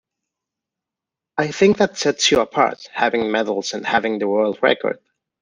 I think that sets you apart, having medals and having the World record.